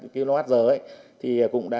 kwh thì cũng đã